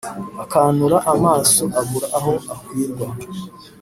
Akanura amaso abura aho akwirwa.